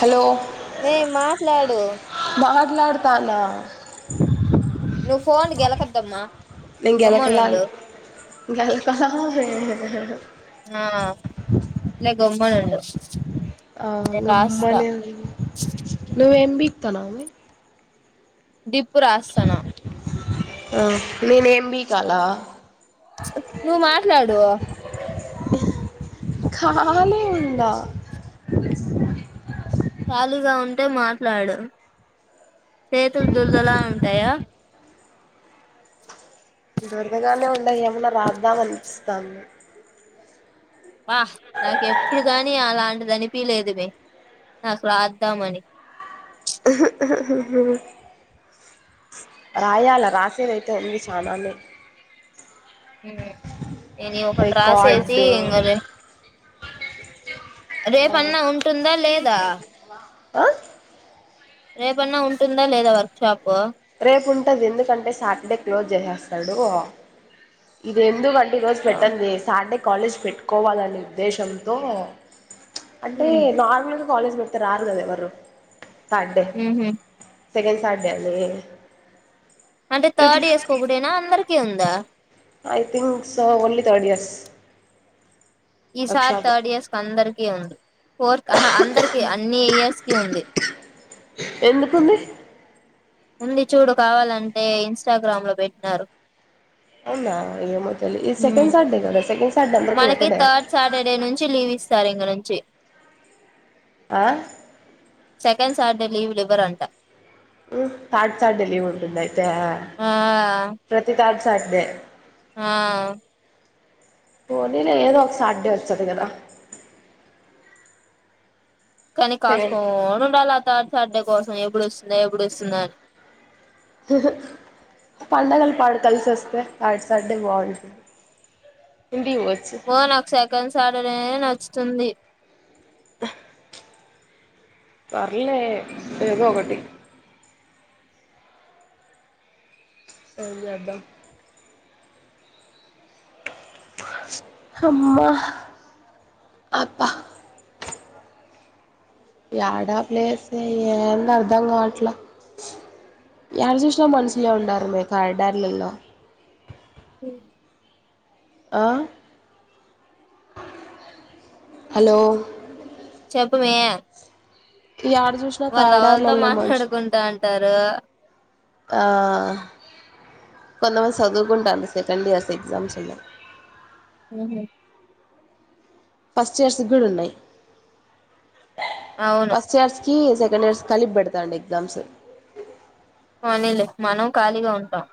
Hello మే మాట్లాడు త్తనా నువ్వు ఫోన్ గెలకద్దమ్మా గమ్మునుండు. గెల్కహావే హ్హా అలో ఆ గమ్మనేవ్ నువ్వేం పిక్తన్నావమ్మి డిప్పు రాస్తానా ఆ నేను ఏం బీకాలా నువ్ మాట్లాడు కాలే ఇంగ ఖాలీగా ఉంటే మాట్లాడు. సెతులుదూర్ధలా ఉంటాయా? దొరదగానే ఉండయి గాని మరి రాద్దాం అనిపిస్తది నాకు వహ నాక్ ఎప్పుడు కగాని అలాంటిది అనిపిలేదు మె నాక్ రాద్దామని ఉహు హుహుహు రాయాల రాసేదైతే ఉంది చానానే మ్ నేను ఒక ట్రాసేసి రికార్డు ఇంగవే ఆ, రేపన్నా ఉంటుందా లేదా? ఆ రేపన్నా ఉంటుందా లేదా వర్క్ షాపు? రేపు ఉంటది ఎందుకంటే సాటర్డే క్లోజ్ చేసేస్తాడు ఇది ఎందుకం ఈ రోజు సో పెట్టంది సాటర్డే కాలేజ్ పెట్టుకోవాలనే ఉద్దేశంతో అంటే నార్మల్గా కాలేజీ పెడితే రారు కదా ఎవ్వరు సండే, ఉహు సెకండ్ సాట్డే అన్దవే అంటే థర్డ్ ఇయర్స్కోకటెనా అందరికి ఉందా? I think so only third years ఈ సార్ వర్క్షాప్ థర్డ్ ఇయర్స్ అందరికీ ఉంది. ఫోర్ ఆహా అందరికి అన్ని ఇయర్స్. కియ ఉంది. ఎందుకుంది. ఉంది చూడు కావాలంటే ఇన్స్టాగ్రామ్ లో పెట్టినారు. అవునా ఏమో తెలీద్ ఈ సెకెండ్ ఉమ్ సాటర్డే కదా సెకండ్. సాటర్డే అందరికి మనకి పెట్టడే థర్డ్ సాటర్డే నుంచి లీవ్ ఇస్తారు ఇక నుంచి. ఆ సెకండ్ సాటర్డే లీవులివ్వరంట. ఉమ్ థార్డ్ సాటర్డే లీవ్ ఉంటుందయితే ఆ ప్రతి థార్డ్ సాటర్డే ఆ పోనీ లే ఏదో ఒకసటుర్డే ఒస్తది కదా. కానీ సెకండ్ కాసుకోనుండాల థార్డ్ సాటర్డే కోసం ఎప్పుడొస్తుందా ఎప్పుడొస్తుందానీ. ఆహ్ పండగలు పాడు కలిసోస్తే ఆట్ సాటర్డే బాగుంటది. పో నాకు సెకండ్ సాటర్డే నచ్చుతుంది. పర్లే ఏదోకటి. ఎమ్జేధం. హమ్మ అబ్బా. యేడా ప్లేసే ఏం అర్ధం కావట్లే. ఏడ చూసినా మనుషులే ఉండారు మీ కారిడార్లలో. ఆహ్ హలో. చెప్పుమే. యాడ చూసినా వాళ్ళు లవర్ తో కారిడార్లలో మాట్లాడుకుంటా ఉంటరూ. ఆహ్. కొంతమంది సదువుకుంటాడ్రు సెకండ్ ఇయర్స్ ఎగ్జామ్స్ ఉన్నాయ్. ఉమ్. ఫస్ట్ ఇయర్స్ కూడా ఉన్నాయి అవును ఫస్ట్ ఇయర్స్. కీ సెకండ్ ఇయర్స్ కలిపెడతాండు ఎగ్జామ్స్. పోనీలే మనం ఖాళీగా ఉంటాం.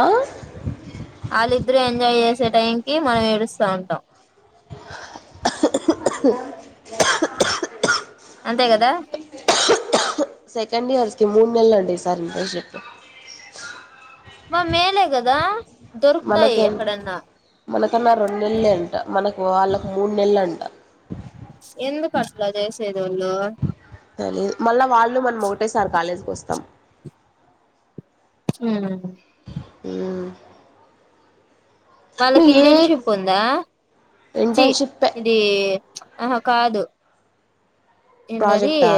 ఆహ్. వాలిద్దరు ఎంజాయ్ చేసే టైముకి మనం ఏడుస్తా ఉంటాం. అంతే కదా. సెకండ్ ఇయర్స్ కి మూడ్ నెల్లండి ఈ సారీ ఇంటర్న్షిపు. మారి మేలే కదా. దొరుకుతాయి మనకేన్ ఎక్కడన్నా మనకన్నా రెండ్ నెల్లెంట. మనకు వాళ్ళకు మూడు నెల్లంట. అందుకు అట్లా చేసేది. తెలీద్ మళ్ళా వాళ్ళు మనం ఒకటేసారి కాలేజీకొస్తాం. ఉమ్. ఉమ్. వాళ్ళకింటేర్న్షిపుందా చీ ఇంటర్న్షిప్ ఇదీ. ఆహ కాదు. ఏందది ప్రాజెక్టా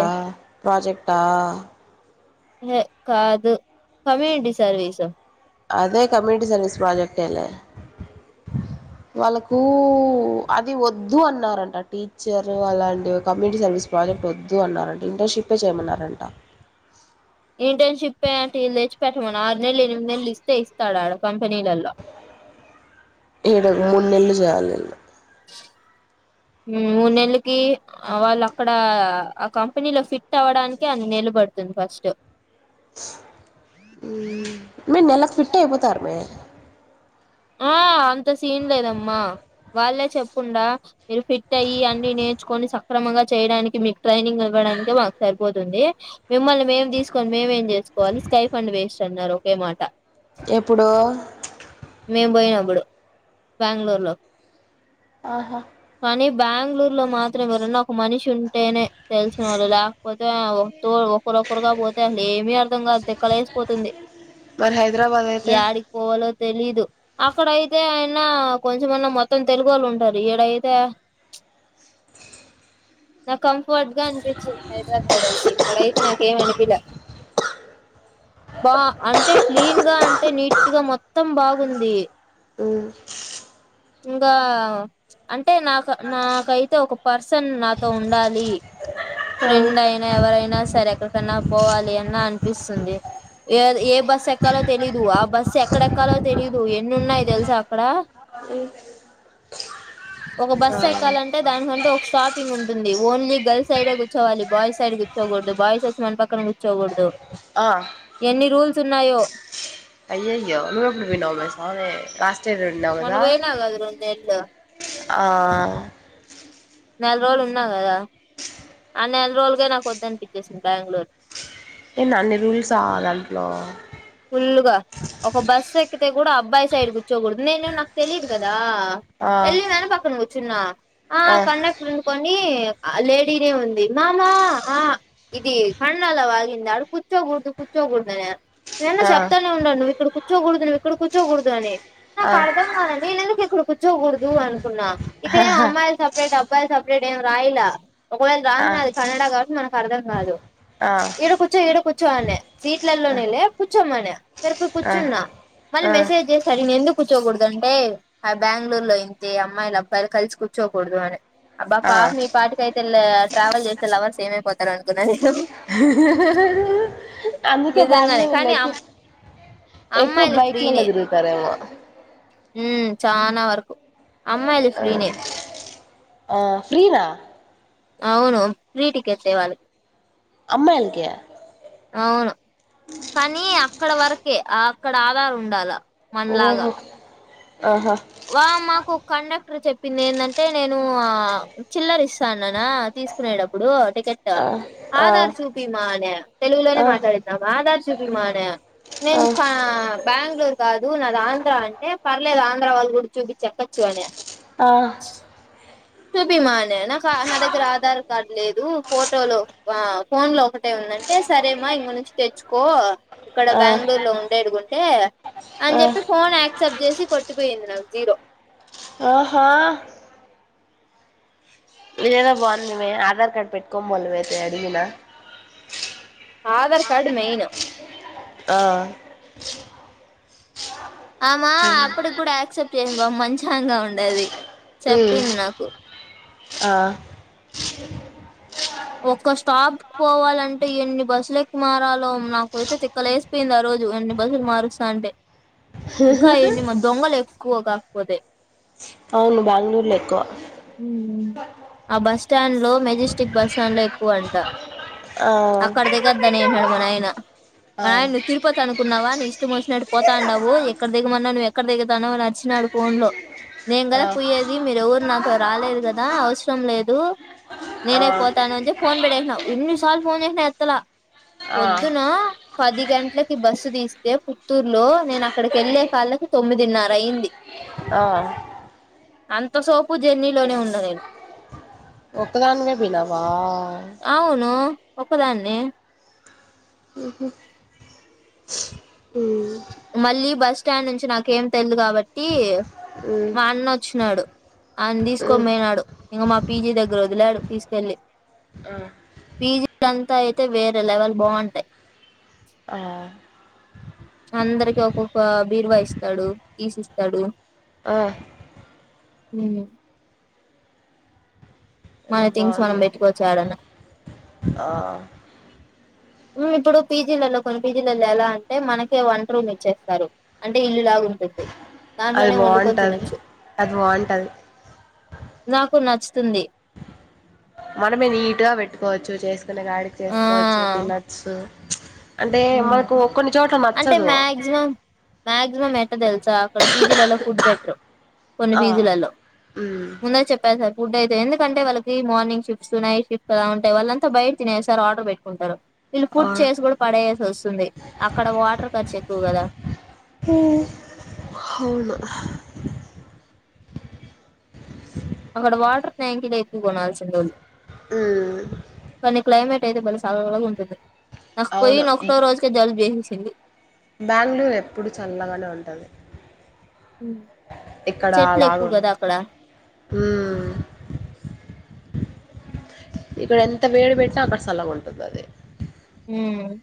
ప్రాజెక్టా. ఏ కాదు కమ్యూనిటీ సర్వీసు. అదే కమ్యూనిటీ సర్వీస్ ప్రాజెక్ట్ లేే. వాళ్ళకూ అది ఓద్దు అన్నారంట టీచర్ అలాంటి కమ్యూనిటీ సర్వీస్ ప్ర. వొద్దు అన్నారంట ఇంటర్న్షిపే చేయమన్నారంట. ఇంటర్న్షిపే అంటే ఈయని తెచ్చి పెట్టమను ఆరు నెలలు ఎనిమిది నెలలు ఇస్తే ఇస్తాడాడు కంప్. ఏడో మూడు నెల్లు చేయాలీలు. మూడు నెలకి వాళ్ళక్కడ ఆ కంపెనీలో ఫిట్ అవడానికి అన్ని నెల పడుతుంది ఫస్ట్ మీరు నెలకు ఫిట్ అయిపోతారు మీ ఆ అంత సీన్ లేదమ్మా వాళ్ళే చెప్పుండా మీరు ఫిట్ అయ్యి అన్నీ నేర్చుకొని సక్రమంగా చేయడానికి మీకు ట్రైనింగ్ ఇవ్వ. ఇవ్వడానికె మాకు సరిపోతుంది. మిమ్మల్ని మేము తీసుకొని మేమేం చేసుకోవాలి స్కై ఫండ్ వేస్ట్ అన్నారు ఒకే మాట. ఎప్పుడో. మేము పోయినప్పుడు బ్యాంగళూరు లో. ఆహా బ్యాంగళూరు లో మాత్రం ఎవరన్నా ఒక మనిషి ఉంటేనే తెలిసిన వాళ్ళు లేకపోతే తోడువో ఒకరొకరుగా పోతే అసలు ఏమి అర్థం కాదు తిక్కలేేసిపోతుంది మరి హైదరాబాద్ అయితే తెలీదు అక్కడయితే అయినా కొంచెమన్నా మొత్తం తెలుగు ఒళ్ళు ఉంటారు ఇడయితే ప్చ్ నా కంఫర్ట్ గా అనిపించిద్ హైదరాబాద్ అయితే ఇక్కడ అయితే నాకేం అనిపియలే బా అంటే క్లీన్ గా అంటే నీట్గా మొత్తం బాగుంది ఉమ్ ఇంగా అంటే నాకు నాకైతే ఒక పర్సన్ నాతో ఉండాలి ఫ్రెండ్ అయినా ఎవరైనా సరే ఎక్కడికన్నా పోవాలి అన్న అనిపిస్తుంది ఎది ఏ బస్ ఎక్కలో తెలీదు ఆ బస్ ఎక్కడెక్కలో తెలీదు ఎన్ని ఉన్నాయి తెలుసా అక్కడ ఒక బస్ ఎక్కాలంటే దానికంటు ఒక స్టాపింగ్ ఉంటుంది ఓన్లీ గర్ల్స్ సైడే కూర్చోవాలి బాయ్ సైడ్ గుచ్చోకూడదు బాయిస్ వచ్చి మన పక్కన గుచ్చోకూడదు ఆ ఎన్ని రూల్స్ ఉన్నాయో అయ్యాయో నువ్వు ఎప్పుడు పోయినవ్ సామీ కాస్త చేరున్నావు మొన్న గదా పోయినా కదా రెండేళ్లు ఆ నెల రోల్లు ఉన్నా కదా ఆ నెల రోల్లుకె నాకు ఒద్దు అనిపించేసింది బ్యాంగళూరు ఏంది అన్ని రూల్సా దాంట్లో ఫుల్లుగా ఒక బస్సు ఎక్కితే కూడా అబ్బాయి సైడ్ కూర్చోకూడదు నేనే నాకు తెలీదు కదా అ ఆ వెళ్ళి వెనక్ పక్కన కూచ్చున్నా ఆ కండక్టర్ ఉండుకోండి ఆ లేడీనే ఉంది నాన్న అ ఇది కనడాలో వాగింది ఆడు కూర్చోకూడదు కూర్చో కూడదు నేన్న ఆ చెప్తానే ఉండాను నువ్ ఇక్కడ కూర్చోకూడదు ఇక్కడ కూర్చోకూడదు అని ఆ ఆ నాకు అర్థం కాలే నేను ఎందుక ఇక్కడ కూర్చోకూడదు అనుకున్నా ఇక్కడే అమ్మాయిలు సపరేట్ అబ్బాయిలు సపరేట్ అప్పుడ ఇడా ఏం రాయలా ఒకవేళ ఆ రాసిన కన్నడ కాబట్టి మనకు అర్థం కాదు ఆ ఇడ కూచో ఇడ కూచో అనే సీట్లల్లోనేలే చోమనా సరే పోయి ఆ కూర్చున్నా మళ్ళీ మెసేజ్ చేస్తాడు ఇమె ఎందుకు కూర్చోకూడదు అంటే ఆ బ్యాంగళూరులో ఇంకె అమ్మాయిలు అబ్బాయిలు కలిసి కూర్చోకూడదు అననే అబ్బా ఆ పాపమీపాటికి అయితేళ్లే ట్రావెల్ చేసే లవర్స్ ఏమైపోతారు అనుకున్నా నేన్ అందుకే నిజంగానే బ్యాంగళూరు కానీ లేదు అమ్ ఎక్కువ అమ్మాయిలు ఫ్రీనే బైక్లల్లాదిరుగుతారేమో ఉమ్ చానా వరకు అమ్మాయిలు ఫ్రీనే ఆ ఫ్రీనా అవును ఫ్రీ టికెట్స్ ఎ వాళ్ళక్ అమ్మాయిలకి అవును కానీ అక్కడ వరకే అక్కడ ఆధార్ ఉండాలా మనలాగా ఓహో ఆహా వా మాకు కండక్టర్ చెప్పింది ఏందంటే నేను ఆ చిల్లరిస్తాన్నానా తీసుకునేటప్పుడు టికెట్ ఆ ఆ ఆధార్ చూపియిమా అనే తెలుగులోనే మాట్లాడిందా అమా ఆధార్ చూపియిమా అనే ఆ నేను కా ఆ బ్యాంగళూరు కాదు నాది ఆంధ్ర అంటే పర్లేదు ఆంధ్ర వాళ్ళు గుడి చూప్పిచ్చి ఎక్కచ్చు అనే ఆ చుపియమనె నాకు నా దగ్గర ఆధార్ కార్డ్ లేదు ఫోటోలు ఆ ఫోన్ లో ఒకటే ఉం ఆనంటే సరే మా ఇంగ నుంచి తెచ్చుకో ఇక్కడ ఆ బ్యాంగుళూర్ లో ఉండేడుగుం అంటే అని ఆ చెప్పి ఫోన్ ఆక్సిప్ట్ చేసి కొట్టిపోయింది నాకు జీరో ఆహా మీదేదో బావుందిమే ఆధార్ కార్డ్ పెట్టుకోమోల్ నువ్ అయితే అడిగినా ఆధార్ కార్డ మెయిన్ ఆ అమా అప్పటికి కూడా యాక్సెప్ట్ చేసింది బాప్ మంచమాగా ఉండది ఉమ్ చెప్పింద్ నాకు ఆ ఒక్క స్టాప్ కు పోవాలంటే ఎన్ని బస్సులు ఎకమరలో నాకైతే తిక్కలేసపోయింద్ ఆ రోజు ఎన్ని బస్సులు మారుస్తా అంటే ఇంకా ఎన్ని మ దొంగలు ఎక్కువ కాకపోతే అవును బెంగుళూర్ల ఎక్కువ ఆ బస్ స్టాండ్ లో మేజిస్టిక్ బస్ స్టాండ్ లో ఎక్కువ అంట ఆ అక్కడ దిగద్ద అని అన్నాడు మా నాయిన మా ఆ నాయన నువ్ తిరుపతి అనుకున్నావా ని ఇస్ట్ ఇష్టమొచ్చినట్టు పోతాండవు ఎక్కడ దగ్గమన్నా నువ్వు ఎక్కడ దగ్గతావనచ్చినడ్ ఫోన్ లో నేన్ గద ఆ పోయేది మీరు ఎవర్ నాతో రాలేద్ గద అవసరం లేదు ఆ నేనె పోతనా అని ఫోన్ పెట్టేసినవ్ ఏన్నిసార్లు ఫోన్ చేసినా ఎత్తలా ఆ పొద్దునా పది గంటలకు బస్సు తీస్తే పుత్తూర్ లో నేను అక్కడికి ఏళ్ళే కళ్ళకి తొమ్మిదిన్నర అయింది ఆ అంత సోపు జర్నీలోనే ఉన్న నేన్ ఒకదాన్వె బొయినవా ఒకదానే ఉహు చ్ మళ్ళీ బస్ స్టాండ్ నుంచి నాకేం తెల్దు కాబట్టి మ్ చ్ నాడు ఆన్ తీసుకొబోయినాడు ఇంగ మా పీజీ దగ్గర ఒదిలాడు తీసుకెళ్లి పీజీ లంతా అయితే వేరే లెవెల్ బావుంటాయి ఆ అందరికి ఒక్కొక్క బీరువా ఇస్తాడు కీస్ ఇస్తాడు ఆ మ్ మన అదే థింగ్స్ మనం బాగుంది పెట్టుకొచ్ ఏడన్నా ఆ మ్ ఇప్పుడు పీజీలలో కొన్ని పీజీలోల్ ఎలా అంటే మనక వంట రూమ్ ఇచ్చేస్తారు అంటే ఇల్లుల బగుంటంది అది దాంట్లోనే ఓండుకొని బాగుంటది తినొచ్చు అది బాగుంటది నాకు నచ్చుతుంది మనమే నీట్ గా వెట్టుకోచ్చు చేసుకునే కాడికి ఆ చేసుకోచ్చు తినచ్చు మ్ అంటే నచ్చదు మాక్సిమం మాక్సిమం ఎట్ట తెలుసా అక్కడ పీజీలల ఫుడ్ పెట్టరు కొన్ని ఆ పీజీలలో మ్మ్ ముందే చెప్పేసా ఫుడ్ అయితే ఎందుకంటే వాళ్ళకి మార్నింగ్ షిఫ్ట్స్ నైట్ షిఫ్ట్స్ అలా ఉంటాయి వాళ్ళంతా బయట తినేసార్ ఆర్డర్ పెట్టుకుంటారు ఇలు ఆ ఫుడ్ చేసి కూడా పడేయాసోసుంది అక్కడ వాటర్ ఖర్చు ఎక్కువ గద ఉమ హ అక్కడ వాటర్ ట్యాంకిలు ఎక్కువ కొనాల్సింద ఆల్ మ్మ్ కానీ క్లైమేట్ అయితే బలే సల్లగ్ ఉంటుంది నాక్ పోయిన అవును ఒకటోరోజుకి జల్బు జెసింది బెంగళూరు ఎప్పుడు చల్లగానే ఉంటది ఇక్కడ అలాగా చెట్లేకువ్ గద ఉండదు అక్కడ మ్మ్ ఇక్కడ ఎంత వేడి పెట్నా అక్కడ సల్లగా ఉంటుంది అది ఉమ్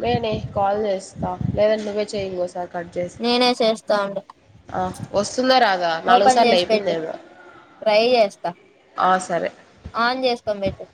నేనే కాల్ చేస్తా లేదంటె నువ్వే చెయి ఇంగోసారి కట్ చేసి నేనే చేస్తా ఉండే వస్తుందా రాదా మళ్లీ ఒక ఓపెన్ సార్లు చేసి పెట్టు అయిపోయిందద ట్రై చేస్తా ఆన్ చేసుకోని పెట్టు